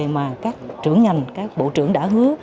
mà các trưởng ngành các bộ trưởng đã hứa